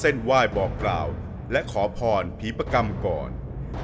ชื่องนี้ชื่องนี้ชื่องนี้ชื่องนี้ชื่องนี้